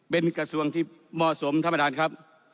เป็นกระทรวงที่เหมาะสมท่านประธานครับ